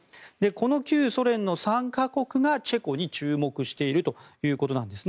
この旧ソ連の３か国がチェコに注目しているということです。